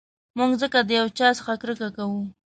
موږ ځکه د یو چا څخه کرکه کوو.